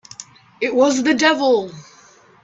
It was the devil!